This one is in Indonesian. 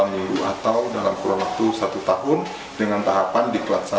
empat puluh delapan minggu atau dalam kurang lebih satu tahun dengan tahapan dikelasakan